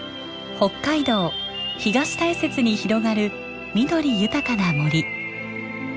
北海道東大雪に広がる緑豊かな森。